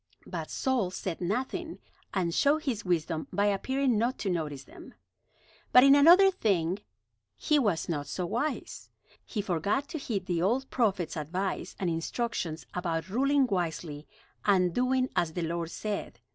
But Saul said nothing, and showed his wisdom by appearing not to notice them. But in another thing he was not so wise. He forgot to heed the old prophet's advice and instructions about ruling wisely and doing as the Lord said.